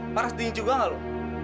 paras dingin juga gak lo